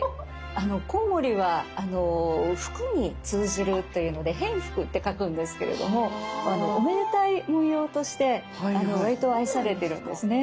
コウモリは福に通じるというので「蝙蝠」って書くんですけれどもおめでたい模様としてわりと愛されてるんですね。